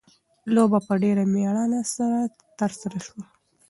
لوبه په ډېره مېړانه سره ترسره شوه.